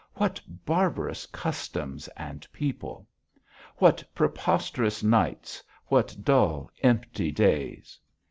What barbarous customs and people! What preposterous nights, what dull, empty days!